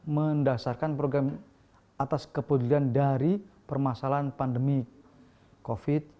mendasarkan program atas kepedulian dari permasalahan pandemi covid